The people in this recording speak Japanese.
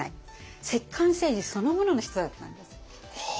摂関政治そのものの人だったんです。